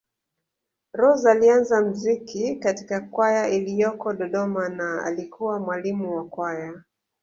Rose alianza mziki katika kwaya iliyoko Dodoma na alikuwa mwalimu wa Kwaya